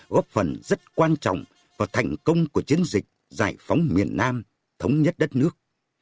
góp phần rất quan trọng vào thành công của chiến dịch giải phóng miền nam thống nhất đất nước